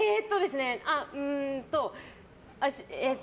うーんと、ええと。